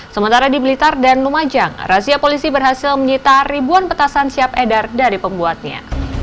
sementara di blitar dan lumajang razia polisi berhasil menyita ribuan petasan siap edar dari pembuatnya